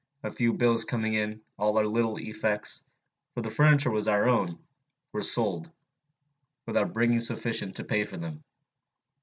A few bills coming in, all our little effects for the furniture was our own were sold, without bringing sufficient to pay them.